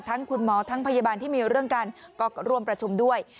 คุณหมอทั้งพยาบาลที่มีเรื่องกันก็ร่วมประชุมด้วย